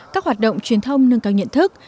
các hoạt động truyền thông nâng cao nhận thức